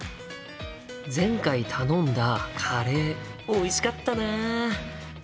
前回頼んだカレーおいしかったな。